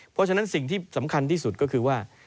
เพราะฉะนั้นสิ่งที่สำคัญที่สุดก็คือว่า